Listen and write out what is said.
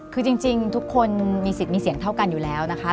คือจริงทุกคนมีสิทธิ์มีเสียงเท่ากันอยู่แล้วนะคะ